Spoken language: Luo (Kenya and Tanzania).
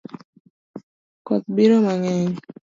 Koth biro mangeny